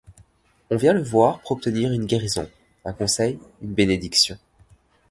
On vient le voir pour obtenir une guérison, un conseil, une bénédiction.